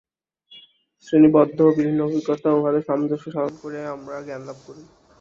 শ্রেণীবদ্ধ বিভিন্ন অভিজ্ঞতা ও উহাদের সামঞ্জস্য সাধন করিয়াই আমরা জ্ঞান লাভ করি।